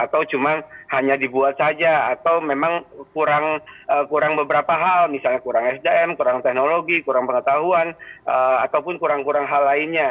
atau cuma hanya dibuat saja atau memang kurang beberapa hal misalnya kurang sdm kurang teknologi kurang pengetahuan ataupun kurang kurang hal lainnya